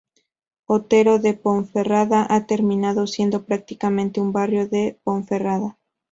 Otero de Ponferrada ha terminado siendo, prácticamente, un barrio de Ponferrada.